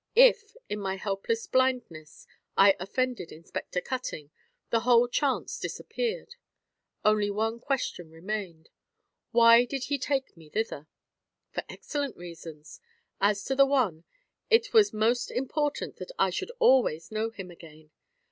If, in my helpless blindness, I offended Inspector Cutting, the whole chance disappeared. Only one question remained. "Why did he take me thither?" "For excellent reasons. As to the one, it was most important that I should always know him again.